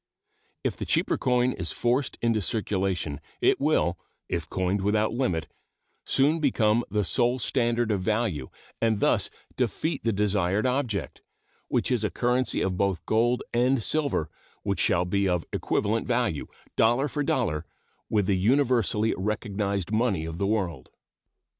If the cheaper coin is forced into circulation, it will, if coined without limit, soon become the sole standard of value, and thus defeat the desired object, which is a currency of both gold and silver which shall be of equivalent value, dollar for dollar, with the universally recognized money of the world.